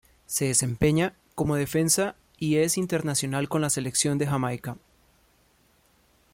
Se desempeña como defensa y es internacional con la selección de Jamaica.